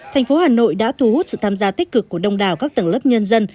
thành phố hà nội đã thu hút sự tham gia tích cực của đông đảo các tầng lớp nhân dân